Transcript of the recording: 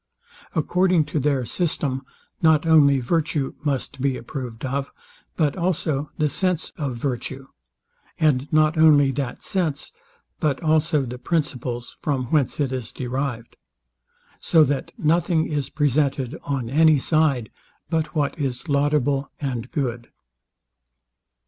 According to their system, not only virtue must be approved of, but also the sense of virtue: And not only that sense, but also the principles, from whence it is derived. So that nothing is presented on any side, but what is laudable and good.